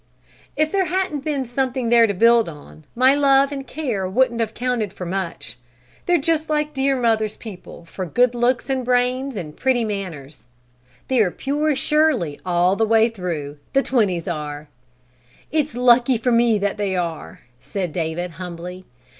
"If there hadn't been something there to build on, my love and care wouldn't have counted for much. They're just like dear mother's people for good looks and brains and pretty manners: they're pure Shirley all the way through, the twinnies are." "It's lucky for me that they are!" said David humbly.